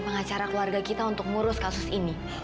pengacara keluarga kita untuk ngurus kasus ini